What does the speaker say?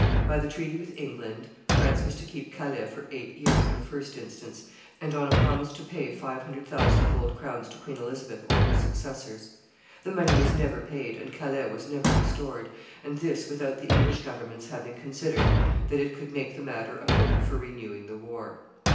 By the treaty with England, France was to keep Calais for eight years in the first instance, and on a promise to pay five hundred thousand gold crowns to Queen Elizabeth or her successors. The money was never paid, and Calais was never restored, and this without the English government's having considered that it could make the matter a motive for renewing the war.